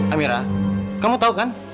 amira kamu tau kan